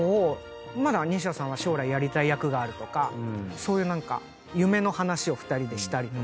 まだ西田さんは将来やりたい役があるとかそういう夢の話を２人でしたりとか。